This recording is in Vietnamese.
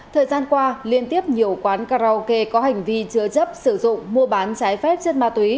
thời gian qua liên tiếp nhiều quán karaoke có hành vi chứa chấp sử dụng mua bán trái phép chất ma túy